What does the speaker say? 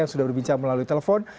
yang sudah berbincang melalui telepon